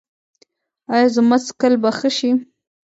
ایا زما څکل به ښه شي؟